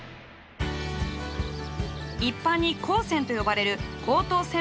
一般に「高専」と呼ばれる高等専門学校。